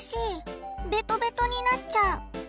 ベトベトになっちゃう。